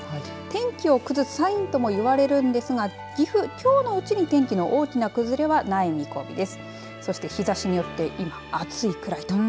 天気を崩すサインとも言われますが岐阜、きょうのうちに天気の大きな崩れはない見込みです。